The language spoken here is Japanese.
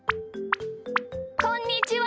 こんにちは。